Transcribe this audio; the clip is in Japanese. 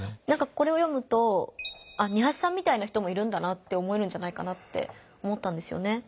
これを読むとニハチさんみたいな人もいるんだなって思えるんじゃないかなって思ったんですよね。